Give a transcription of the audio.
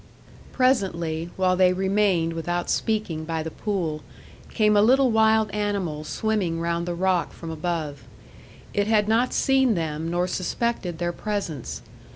Presently, while they remained without speaking by the pool, came a little wild animal swimming round the rock from above. It had not seen them, nor suspected their presence.